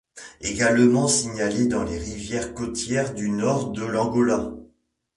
Également signalé dans les rivières côtières du nord de l'Angola.